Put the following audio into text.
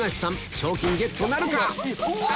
賞金ゲットなるか⁉うわ！